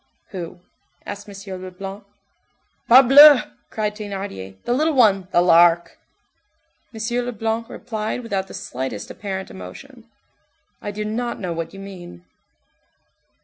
"Who?" asked M. Leblanc. "Parbleu!" cried Thénardier, "the little one, the Lark." M. Leblanc replied without the slightest apparent emotion:— "I do not know what you mean."